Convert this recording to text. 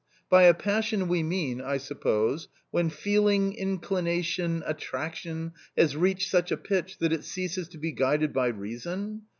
By a passion we mean, I suppose, when feeling, inclination, attraction has reached such a pitch that it ceases to be guided by reason?